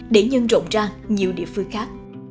để nhân rộng ra nhiều địa phương khác